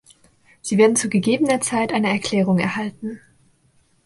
Sie werden zu gegebener Zeit eine Erklärung erhalten.